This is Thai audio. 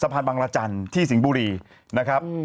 สะพานบังราชันที่สิงห์บุรีนะครับ